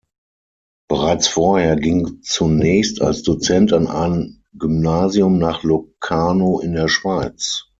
Bereits vorher ging zunächst als Dozent an ein Gymnasium nach Locarno in der Schweiz.